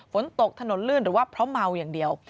ฝนตกถนนลื่นหรือว่าเพราะเมาอย่างเดียว